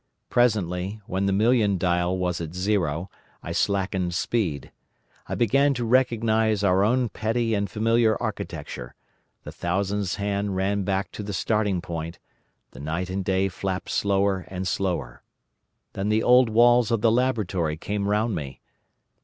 Presently, when the million dial was at zero, I slackened speed. I began to recognise our own pretty and familiar architecture, the thousands hand ran back to the starting point, the night and day flapped slower and slower. Then the old walls of the laboratory came round me.